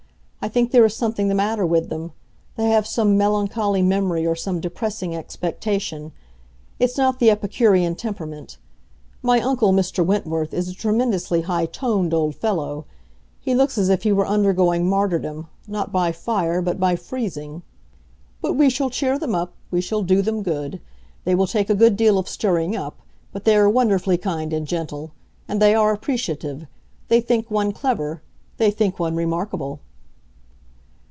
I think there is something the matter with them; they have some melancholy memory or some depressing expectation. It's not the epicurean temperament. My uncle, Mr. Wentworth, is a tremendously high toned old fellow; he looks as if he were undergoing martyrdom, not by fire, but by freezing. But we shall cheer them up; we shall do them good. They will take a good deal of stirring up; but they are wonderfully kind and gentle. And they are appreciative. They think one clever; they think one remarkable!"